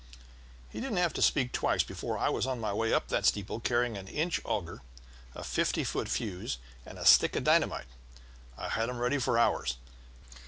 He didn't have to speak twice before I was on my way up that steeple carrying an inch auger, a fifty foot fuse, and a stick of dynamite I'd had them ready for hours.